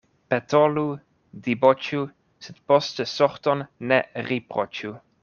Petolu, diboĉu, sed poste sorton ne riproĉu.